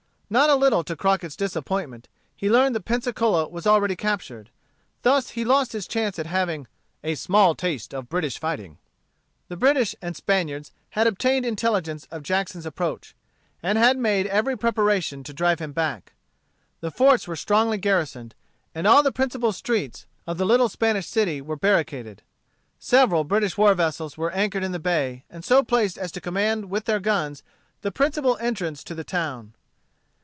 Not a little to Crockett's disappointment, he learned that Pensacola was already captured. Thus he lost his chance of having "a small taste of British fighting." The British and Spaniards had obtained intelligence of Jackson's approach, and had made every preparation to drive him back. The forts were strongly garrisoned, and all the principal streets of the little Spanish city were barricaded. Several British war vessels were anchored in the bay, and so placed as to command with their guns the principal entrance to the town.